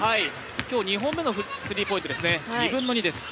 今日２本目のスリーポイントですね、２分の２です